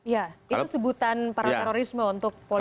ya itu sebutan para terorisme untuk politik